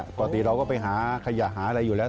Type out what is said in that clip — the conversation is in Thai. ปกติเราก็ไปหาขยะหาอะไรอยู่แล้ว